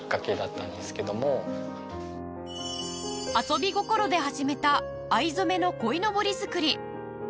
遊び心で始めた藍染めの鯉のぼり作り